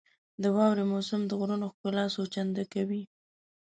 • د واورې موسم د غرونو ښکلا څو چنده کوي.